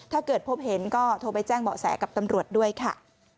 ถ้าเกิดพบเห็นก็โทรไปแจ้งเบาะแสกับตำรวจด้วยค่ะ